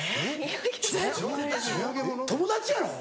友達やろ？